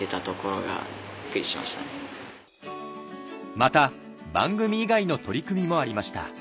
また番組以外の取り組みもありました